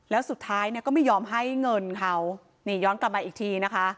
แล้วสุดท้ายเนี่ยก็ไม่ยอมให้เงินเขานี่ย้อนกลับมาอีกทีนะคะ